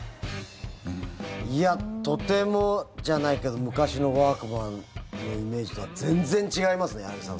とてもじゃないけど昔のワークマンのイメージとは全然違う。